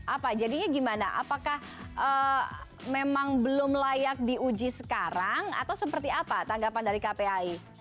apa jadinya gimana apakah memang belum layak diuji sekarang atau seperti apa tanggapan dari kpai